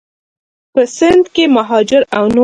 په سند کې مهاجر او نور